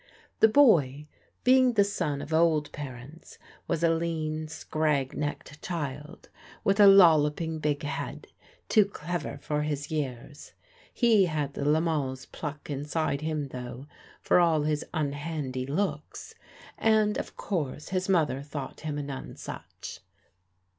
The boy, being the son of old parents, was a lean, scrag necked child, with a lollopping big head, too clever for his years. He had the Lemals' pluck inside him though, for all his unhandy looks; and, of course, his mother thought him a nonesuch.